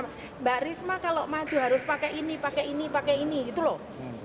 mbak risma kalau maju harus pakai ini pakai ini pakai ini gitu loh